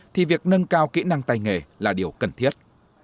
thì việc nâng cao kỹ năng tay nghề là điều cần thiết